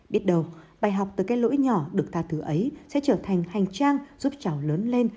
biết đầu bài học từ cái lỗi nhỏ được tha thứ ấy sẽ trở thành hành trang giúp cháu lớn lên